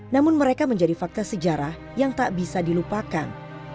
namun mereka menjadi fakta sejarah yang tak bisa dilupakan